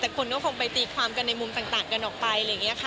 แต่คนก็คงไปตีความกันในมุมต่างกันออกไปอะไรอย่างนี้ค่ะ